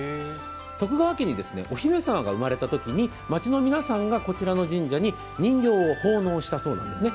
徳川家にお姫様が生まれたときに町の皆さんがこちらの神社に人形を奉納したそうなんですね。